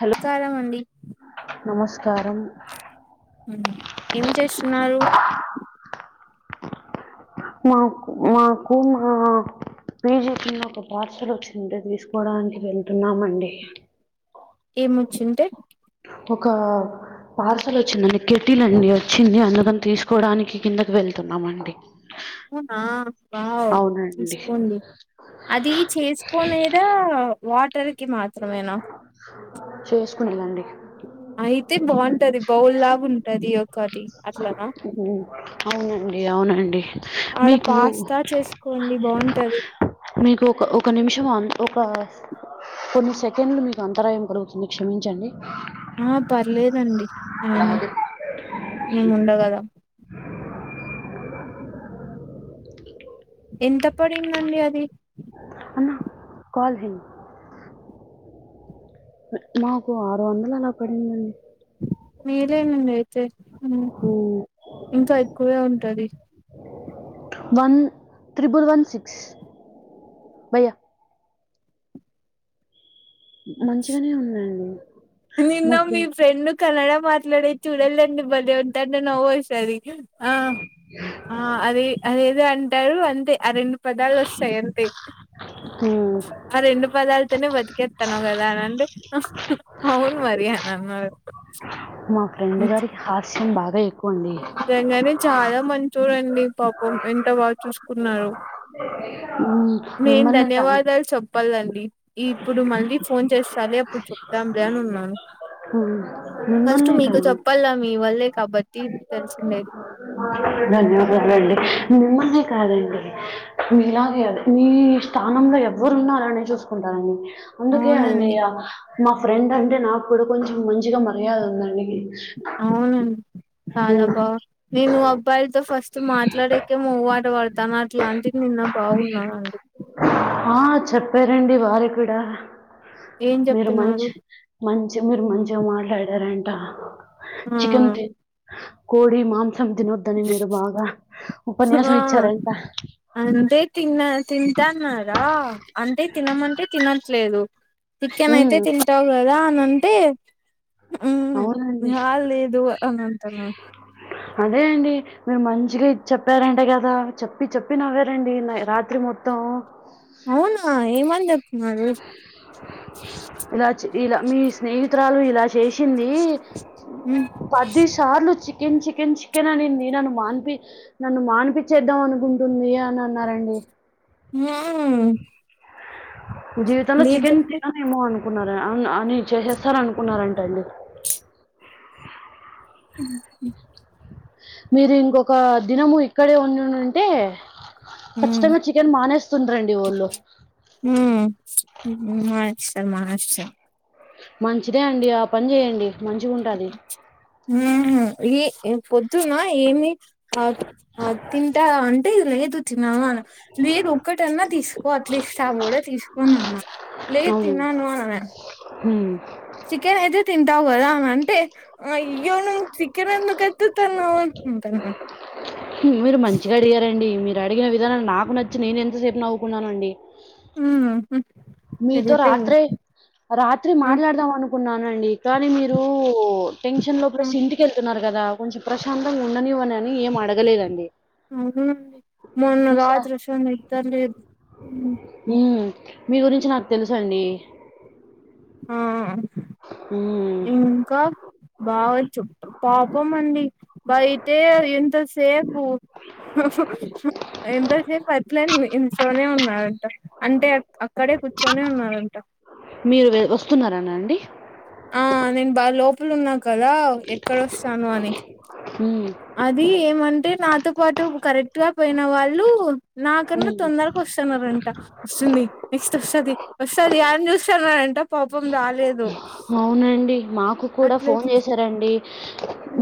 Hello Sairam అండి నమస్కారం అ ఏమి చేస్తున్నారు? మాకు మాకు మా పీజీ కన్న ఒక పార్సెల్ వచ్చింటే తీసుకోవడానికి వెళ్తున్నామండి. ఏం వచ్చింటే ఒక పార్సల్ వచ్చిందండి కెట్టిలండి వచ్చింది అందుగని తీసుకోవడానికి కిందకి వెళ్తున్నామండి. అవునా వావ్ అవునండి తీసుకోండి. అది చేసుకోనేదా వా చేసుకునేదండి అయితే బావుంటది. బౌల్లాగా ఉంటది ఒకటి అట్లనా ఏమొనండి ఆడ పాస్తా చేసుకోండి బావుంటది. మీకు ఒక ఒక నిమిషం అ ఒక కొన్ని సెకండ్లు మీకు అంతరాయం కలుగుతుంది క్షమించండి. ఆ పర్లేదండి అయినా మేము ఉండగలం ఎంత పడిందండి అది? అన్న కాల్ హిమ్ మాకు ఆరు వందలు అలా పడిందండి. మేలేనండి అయితే ఉమ్, ఇంకా ఎక్కువే ఉంటది. వన్ త్రిబుల్ వన్ సిక్స్ భయా మంచిగానే ఉందండి నిన్న మీ ఫ్రెండ్ కన్నడ మాట్లాడే చూడలండి బలే ఉంటది అండ నవ్వుసరి ఆ ఆ అది అదేదో అంటారు అంతే ఆ రెండు పదాలు వస్తాయి అంతే ఆ రెండు పదాలుతనే బతుకేతానగ దాన్ ఆహ్ హు అవును మరియా అని అన్నా మా ఫ్రెండ్ గాడికి హాస్యం బాగా ఎక్కువ అండి నిజంగానే చాలా మంచోడండి పాపం ఎంత బా చూసుకున్నారు. మ్, నేన్ మిమ్మల్నే కాదు ధన్యవాదాలు చెప్పాలండి ఇప్పుడు మళ్ళీ ఫోన్ చేస్తాలే అప్పుడు చెప్పు దాంర అని ఉన్నాను మ్, ఫస్ట్ మిమ్మల్నే మీకు కాదు చెప్పాల మీ వల్లే కాబట్టి తెలిసిండేది ధన్యవాదలండి మిమ్మలిని కాదండి మీలాగే మీ స్థానంలో ఎవరు ఉన్నా అలానే చూసుకుంటారండి. అందుకే అండి అవునండి అ మా ఫ్రెండ్ అంటే నాకు కూడా కొంచెం మంచిగా మర్యాద ఉందండి. అవునన్ మ్, చదాబా నేను అబ్బాయిలతో ఫస్ట్ మాట్లాడేకే మవ్వాట వాడ తన అట్లాంటికి నిన్న బావున్నాను అండి. ఆ చెప్పారండి వారి కూడా ఏం మీరు చెప్తున్నారు మంచి మంచి మీరు మంచిగా మాట్లాడారంట ఆ చికెన్ తీ కోడి మాంసం తినొద్దని మీరు బాగా ఉపన్యాసం ఇచ్చార అంతే తిన్న తింటాన్నార అంతే తినమంటే తిన లేదు చికెన్ అయితే ఉమ్, తింటావు కదా అని అంటే మ్మ్ అవునాండి హా లేదు అని అంటున్నా అదే అండి మీరు మంచిగా చెప్పారంటే కదా చెప్పి చెప్పి నవ్వారండి రాత్రి మొత్తం అవునా ఏమని చెప్పినారు ఇలా చే- ఇలా మీ స్నేహితురాలు ఇలా చేసింది మ్మ్ పదిసార్లు చి చికెన్ చికెన్ చికెన్ అనింది నన్ను మాన్పి నన్ను మనీప్ మానిపిచేద్దాం అనుకుంటుంది అని అన్నారండి ఆహు జీవితంలో చికెన్ తిన్నానుమో అనుకున్న అని చేసేస్తారరూ అనుకున్నారంటండి మీరు ఇంకొక దినము ఇక్కడే ఉండుంటే మ్మ్ ఖచ్చితంగా చికెన్ మానేస్తుండ్రండి ఒళ్లు ఉ మానేస్తారు మానేస్తరూ మంచిదే అండి ఆ పని చేయండి మంచిగుంటది. ఉహు ఏ పొద్దున ఏమి అ తిన్ంటారా అంటే లేదు తిన్నాను లలేదు ఒక్కటన్నా తీసుకో అట్లీస్ట్ సగం కూడా తీసుకోని అన్న లే తిన్నానూ ఆన్ ఉ చికెన్ అయితే తింటావ్ కదా అన్ని అంటే అయ్యో నువ్వు చికెన్ ఎందుకు ఎత్తుతున్నావ్ అన్ని ఆన్ మీరు మంచిగా అడిగారండి మీరు అడిగిన విధానం నాకు నచ్చి నేను ఎంతసేపు నవ్వుకున్నానండి ఉమ్ మీతో రాత్రే రాత్రి ఆ మాట్లాడదాం అను కున్నానండి కానీ మీరు టెన్షన్ లో ఆ ప్రెస్ ఇంటికెళ్తున్నారు కదా కొంచెం ప్రశాంతంగా ఉండనివ్వనని ఏం అడగలేదండి అవును మొన్న నిషా రాత్రసులా నిద్ర లేదు ఉమ్ హ్మ్. మీ గురించి నాకు తెలుసు అండి ఆ ఇంకా బా వచ్చు పాపం అండి బయట ఎంత సేఫ్ పు ఎంతసేపు అట్లనే నించునే ఉన్నాడు అంటే అక్కడే కూర్చొని ఉన్నారంట మీరు వె వస్తున్నారానా అండి? ఆ నేను బాగా లోపలు ఉన్నా కదా ఎక్కడొస్తాను అని హ్మ్. అది ఏమంటే నాతో పాటు కరెక్ట్ గా పోయిన వాళ్ళు నాకన్నా హ్మ్. తొందరకి వస్తున్నారంట వస్తుంది నెక్స్ట్ వస్తాది వస్తాది ఎని చూస్తున్నారంట పాపం రాలేదు అవునండి మాకు కూడా అట్లే ఫోన్ చూ చేశారండి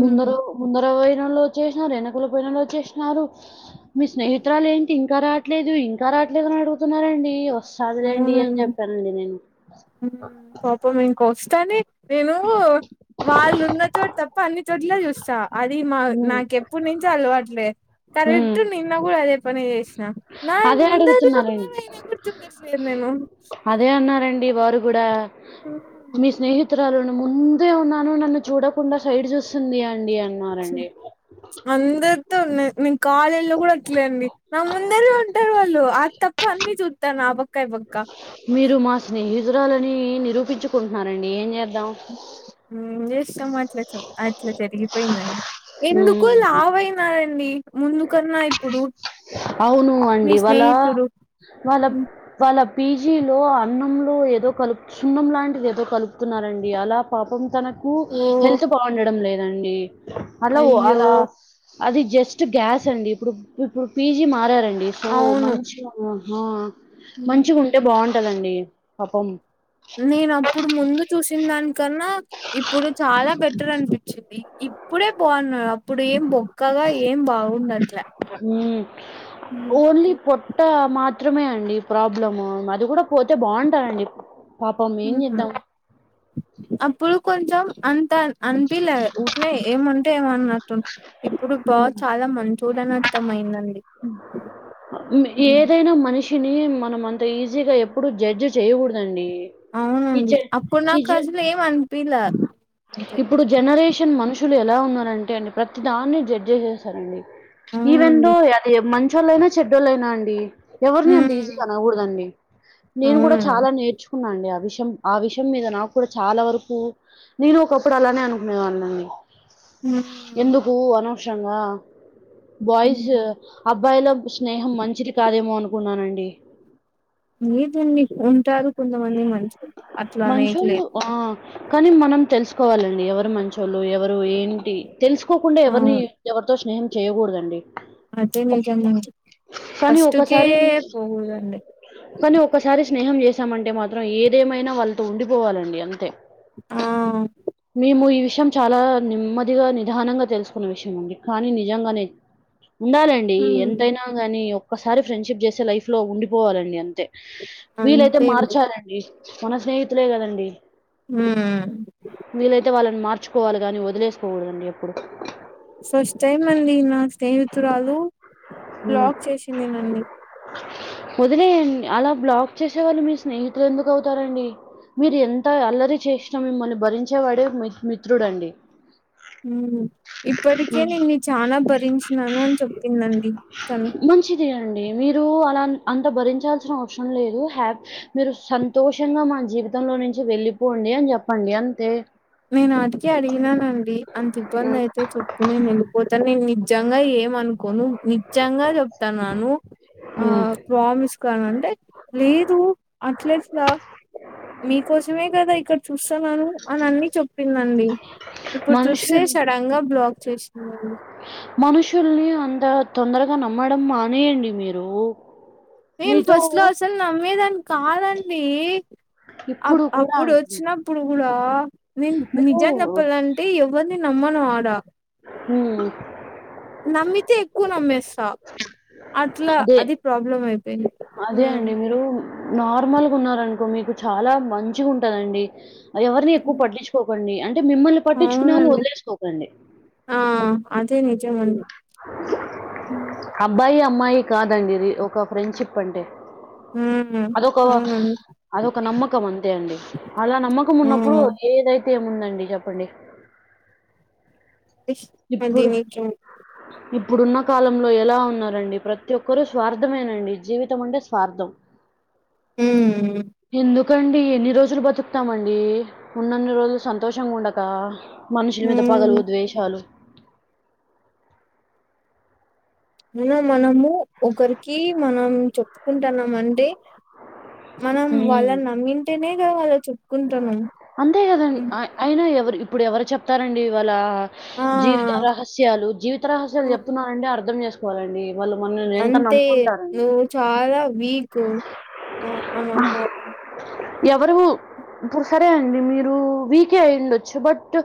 ముందర ముందర పోయి చేస వెనకల పంలో చేసినన్నారు మీ స్నేహితురాలు ఏంటి ఇంకా రాట్లేదు ఇంకా ట్లేక అడుగుతున్నారండి వస్తుందిలేండి అని అవునండి చెప్పానండి నేను ఇప్పు ఇంక వస్తానే నేను వాళ్ళు ఉన్న చోటు తప్ప అన్ని చోట్ల చూస్తానా అది మా హ్మ్. నాకెప్పుడు నుంచో అలవాట్లే హ్మ్. కరెక్ట్ నిన్న కూడా అదే పని చేసినా నా అదే ముంద అడుగుతున్నారండి. [unintelligible] ట్లేదు నేను మీ వారు కూడా హ్మ్. మీ స్నేహితురాలును ముందే ఉన్నాను నన్ను చూడకుండా సైడ్ చూస్తుంది అండి అన్ అందరితో నె నే కాలేజ లో కూడా అట్లే అండి నా ముందర ఉంటారు వాళ్ళు ఆ తప్ప అన్ని చూతారు నా పక్క ఈ పక్క మీరు మా స్నేహితురాలని నిరూపించుకుంటున్నారండి ఏం చే దాం ఎట్ల మాచాచవ్ అట్లా జరిగిపోయిందండి ఎందుకు ఉమ్ లావయినారండి ముందుకన్న ఇప్పుడు అవును మీ అండి వాళ్ళ స్నేహితుడు వాళ్ళ వా అలా పీజీలో అన్నంలో ఏదో కలుపు సున్నం లాంటిది ఏదో కలుపుతున్నారండి అలా పాపం తనకి కు ఓ హెల్త్ బాగుండడం లేదండి అట్ల ఓ అయ్యో అలా అది జస్ట్ గ్యాస్ అండి ఇప్పుడు ఇప్పుడు పీజీ మారారం సో అవును మంచిగా ఆహా మంచిగా ఉంటే బాగుంటదండి పాపం నేను అప్పుడు ముందు చూసిన దానికన్నా ఇప్పుడు చాలా బెటర్ అనిపించిది ఈ ఇపుడే బావున అప్ ఇప్పుడు ఏం బొక్కగా ఏం బాగుండట్ల ట్ట మాత్రమే అండి ప్రాబ్లమ్ అది కూడా పోతే బాగుంటారండి అప్పుడు కొంచెం అంత అనిపిలే ఉట్నే ఏమంటే ఏమో అన్నా అటు ఇప్పుడు బా హ్మ్. చాలా మంచోడని అర్థమయిందండి ఉమ్. ఏదైనా మనిష్ టిని మనం అంత ఈజీగా ఎప్పుడు జడ్జి చేయకూడదండి ఈ జ అవునండి అప్పుడు ఈ నాకు జ అసలు ఏం అనిపిలా ఇప్పుడు జనరేషన్ మనుషులు ఎలా ఉన్నారంటే అండి ప్రతి దాన్ని జడ్జే చేస్తారండి ఈవెందో అవునండి అది మంచోళ్ళయినా చెడ్డోలయినా అండి ఎవరిని అంత ఉమ్. ఈజీగా అనకూడదండి నేను కూడా అవునండి చాలా నేర్చుకున్నా అండి అవిష్ షం ఆ విషయం మీద నాకు కూడా చాలా వరకు నేను ఒకప్పుడు అలానే అనుకునేదానని ఉమ్. ఎందుకు అనవసరంగా బయ్స్ ఊ ఉమ్. అబ్బాయిల స్నేహం మంచిది కాదేమో అనుకున్నానండి మీర్ దాన్ని ఉంటారు కొంతమంది మంచి మంచోళ్లు ఆ కానీ మనం తెలుసుకోవాలండి ఎవరు మంచోళ్ళు ఎవరు ఏంటి తెలుసుకోకుండా ఆ ఎవర్ని ఎవరితో స్నేహం చేయకూడదండి అదే నిజమండి కానీ ఫస్ట్కే ఒకసారి పోకూడదండి కానీ ఒక్కసారి స్నేహం చేసామంటే మాత్రం ఏదేమైనా వాళ్ళతో ఉండిపోవాలండి అంతే ఆ మేము ఈ విషయం చాలా నెమ్మదిగా నిదానంగా తెలుసుకున్న విషయం అండి కానీ నిజంగానే ఉండాలండి హ్మ్ ఎంతైనా గానీ ఒక్కసారి ఫ్రెండ్షిప్ చేసే లైఫ్ లో ఉండిపోవాలండి అంతే వీలైతే అంతే అండి మార్చాలండి మన స్నేహితులే కదండి ఊ తే వాళ్ళని మార్చుకోవాలి కాని వదిలేసుకోకూడదండి ఎప్పుడు ఫస్ట్ టైమ్ అండి నా స్నేహితురాలు ఉమ్. బ్లాక్ చేసింది నన్ని వదిలేయండి అలా బ్లాక్ చేసేవాళ్ళు మీ స్నేహితులు ఎందుకు అవుతారండి మీరు ఎంత అల్లరి చేసినా మిమ్మల్ని భరించేవాడేి మిత్రుడండి ఉ ఇప్పటికే నేను చాలా భరించినాను అని చెప్పిందండి తను మంచిది మీరు అలా అంత భరించాల్సిన అవసరం లేదు హ మీరు సంతోషముగ సంతోషంగా మన జీవితంలో నుంచి వెళ్ళిపోండి అని చెప్పండి అంతే నేను ఆడికి అడిగినానండి అంత ఇబ్బంది అయితే చెప్పు నేను వెళ్ళిపోతాను నేను నిజంగా ఏమనుకోను నిజంగా చెప్తాన్నాను ఆ హ్మ్. ప్రామిస్ కావాల అంటే లేదు అట్లేట్లా నీ కోసమే కదా ఇక్కడ చూస్తాన్నాను అని అన్ని చెప్పిందండి ఇప్పుడు చూస్తే మనుషుల్ సడన్ గా బ్లాక్ చేసిందండి మనుషుల్ని అంత తొందరగా నమ్మడం మానేయండి మీరు నేను మీతో ఫస్ట్ లో అసలు నమ్మేదాన్ని కాదండి అప్ ఇప్పుడు కూడా అప్పుడు అండి. వచ్చినప్పుడు కూడా నేను మీరు నిజం చెప్పాలంటే ఎవరిని నమ్మను ఆడా హ్మ్. నమ్మితే ఎక్కువ నమ్మేస్తా అట్లా అదే అది ప్రాబ్లం అయిపోయింది అదే హ్మ్. అండి మీరు నార్మల్గా ఉన్నారనుకో మీకు చాలా మంచిగా ఉంటదండి అదే ఎవరిని ఎక్కువ హ్మ్. పట్టించుకోకండి అంటే మిమ్మల్ని పట్టించుకునే వాళ్ళని అవునండి వదిలేసుకోకండి ఆ అదే నిజమండి హ్మ్. అబ్బాయి అమ్మాయి కాదండి ఇది ఒక ఫ్రెండ్షిప్ అంటే హ అదొక అదొక నమ్మకం అంతే అండి అలా నమ్మకం ఉన్నప్పుడు హ్మ్. ఏదైతే ఏముందండి చెప్పండి ఇప్పుడు అదిీినక [unintelligible] ఇప్పుడున్న కాలంలో ఎలా ఉన్నారండి ప్రతి ఒక్కరూ స్వార్థమేనండి జీవితం అంటే స్వార్థం హ ఎందుకండి ఎన్ని రోజులు బతుకుతామండి ఉన్నన్ని రోజులు సంతోషంగా ఉండక మనుషుల మీద పగలు ఉమ్ ద్వేషాలు ఇంకా మనము ఒకరికి మనం చెప్పుకుంటున్నాం అంటే మనం హ్మ్. వాళ్ళని నమ్మింటేనే కదా వాళ్ళకు చెప్పుకుంటాము అంతే కదండి అ అయినా ఎవరు ఇప్పుడు ఎవరు చెప్తారండి ఇవాల ఆ జీవిత రహస్యాలు జీవిత రహస్యాలు ఆ. చెప్తున్నారంటే అర్థం చేసుకోవాలండి అంతే నువ్వు చాలా మీకు [unintelligible] ఎవరు ఇప్పుడు సరే అండి మీరు వీకే అయిండొచ్చు బట్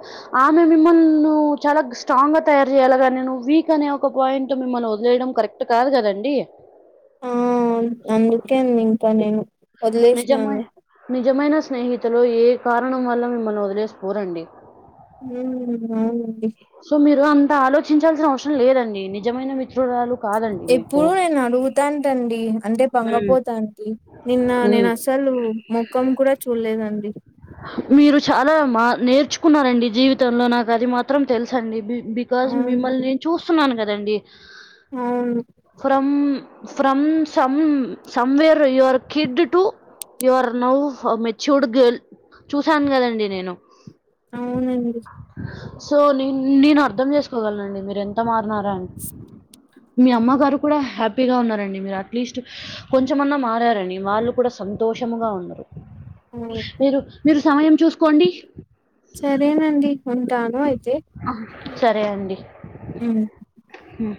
ఆమె మిమ్మల్ని చాలా స్ట్రాంగ్ గా తయారు చేయాలిగాని నువ్వు వీక్ అనే ఒక పాయింట్ మిమ్మల్ని వదిలేయడం కరెక్ట్ కాదు కదండి ఆ అందుకే ఇంకా నేను వదిలేసినాను నిజమయ నిజమయన స్నేహితులు ఏ కారణం వల్ల మిమ్మల్ని వదిలేసిపోరండి ఉ అవునండి సో మీరు అంత ఆలోచించాల్సిన అవసరం లేదండి నిజమైన మిత్రురాలు కాదండి మీకు. ఎప్పుడు నేను అడుగుతాంటండి అంటే హ్మ్. బంగపోతాంటి నిన్న హ్మ్. నేను అసలు అసలు ముఖం కూడా చూడలేదండి మీరు చాలా మా నేర్చుకున్నారండి జీవితంలో నాకు అది మాత్రం తెలుసండి బికాజ్ అవునండి మిమ్మల్ని నేను చూస్తున్నాను కదండి అవును ఫ్రం సం somewhere your kid to you are now matured girl చూసాను కదండి నేను అవునండి సో న నేను అర్థం చేసుకోగలనండి మీరు ఎంత మారినారా అని మీ అమ్మగారు కూడా హ్యాపీగా ఉన్నారండి. మీరు అట్లీస్ట్ కొంచెమన్నా మారారండి వాళ్ళు కూడా సం సంతోషముగా ఉండరు అవును మీరు మీరు సమయం చూసుకోండి సరేనండి ఉంటాను అయితే సరే అండి ఉమ్ హు